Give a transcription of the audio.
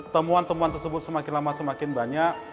temuan temuan tersebut semakin lama semakin banyak